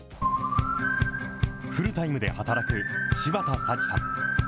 フルタイムで働く柴田紗知さん。